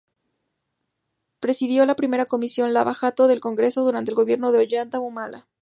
Presidió la primera Comisión Lava Jato del Congreso, durante el gobierno de Ollanta Humala.